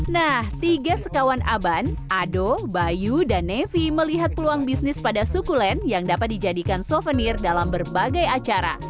nah tiga sekawan aban ado bayu dan nevi melihat peluang bisnis pada suku len yang dapat dijadikan souvenir dalam berbagai acara